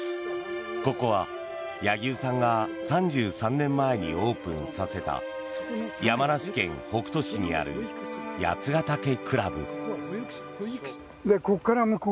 ここは柳生さんが３３年前にオープンさせた山梨県北杜市にある八ヶ岳倶楽部。